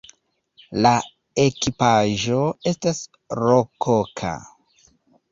La ekipaĵo estas rokoka.